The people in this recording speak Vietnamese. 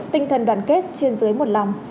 tinh thần đoàn kết trên dưới một lòng